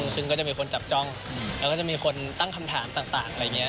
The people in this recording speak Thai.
ซึ่งก็จะมีคนจับจ้องแล้วก็จะมีคนตั้งคำถามต่างอะไรอย่างนี้